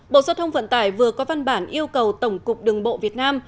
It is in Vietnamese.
bộ giao thông vận tải vừa có văn bản yêu cầu tổng cục đường bộ việt nam